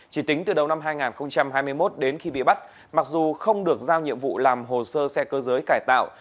chỉ tính từ đầu năm hai nghìn hai mươi một đến khi bị bắt mặc dù không được giao nhiệm vụ làm hồ sơ xe cơ giới cải tạo